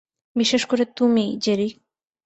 বিশেষ করে তুমি, জেরি।